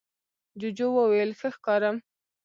جوجو وویل ښه ښکارم؟